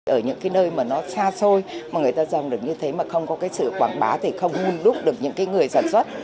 ở những nơi mà nó xa xôi mà người ta dòng được như thế mà không có sự quảng bá thì không hôn đúc được những người sản xuất